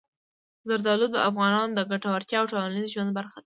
زردالو د افغانانو د ګټورتیا او ټولنیز ژوند برخه ده.